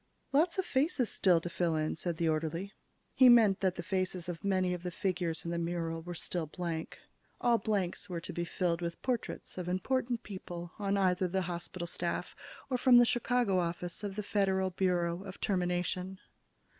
"Lot of faces still to fill in," said the orderly. He meant that the faces of many of the figures in the mural were still blank. All blanks were to be filled with portraits of important people on either the hospital staff or from the Chicago Office of the Federal Bureau of Termination.